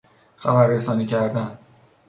خبررسانی کردن